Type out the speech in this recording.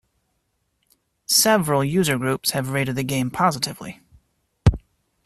Several user groups have rated the game positively.